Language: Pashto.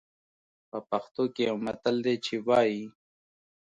په پښتو کې يو متل دی چې وايي.